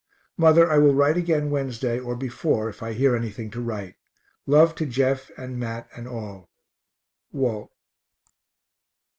Mother, I will write again Wednesday, or before, if I hear anything to write. Love to Jeff and Mat and all. WALT.